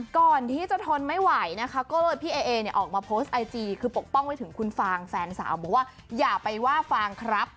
ก่อนที่จะทนไม่ไหวนะคะก็เลยพี่เอเนี่ยออกมาโพสต์ไอจีคือปกป้องไว้ถึงคุณฟางแฟนสาวบอกว่าอย่าไปว่าฟางครับ